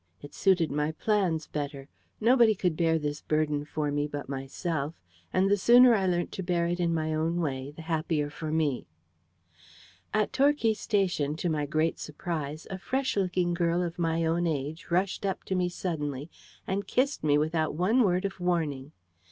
It suited my plans better. Nobody could bear this burden for me but myself; and the sooner I learnt to bear it my own way, the happier for me. At Torquay station, to my great surprise, a fresh looking girl of my own age rushed up to me suddenly, and kissed me without one word of warning.